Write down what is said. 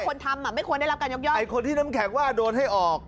คนทำอ่ะไม่ควรได้รับการยกย่อไอ้คนที่น้ำแข็งว่าโดนให้ออก